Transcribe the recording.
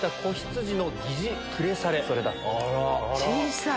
小さい。